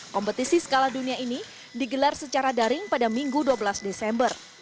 kompetisi skala dunia ini digelar secara daring pada minggu dua belas desember